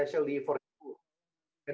hanya satu hal